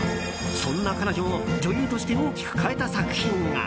そんな彼女を女優として大きく変えた作品が。